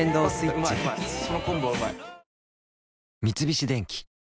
三菱電機